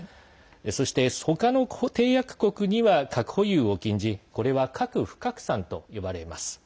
そして、他の締約国には核保有を禁じこれは核不拡散と呼ばれます。